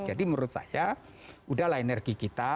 jadi menurut saya udahlah energi kita